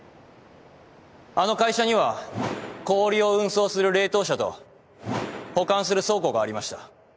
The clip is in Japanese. あの会社には氷を運送する冷凍車と保管する倉庫がありました。